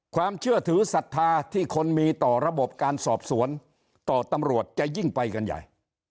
ความเชื่อถือศรัทธาที่คนมีต่อระบบการสอบสวนต่อตำรวจจะยิ่งไปกันใหญ่